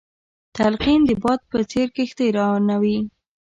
تلقين د باد په څېر کښتۍ روانوي.